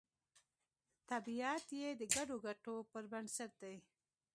طبیعت یې د ګډو ګټو پر بنسټ دی